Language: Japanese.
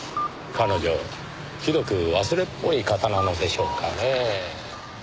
彼女ひどく忘れっぽい方なのでしょうかねぇ。